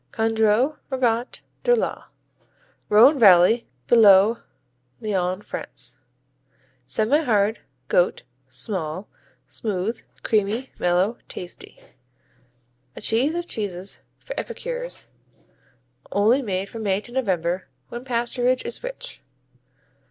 Condrieu, Rigotte de la Rhone Valley below Lyons, France Semihard; goat; small; smooth; creamy; mellow; tasty. A cheese of cheeses for epicures, only made from May to November when pasturage is rich.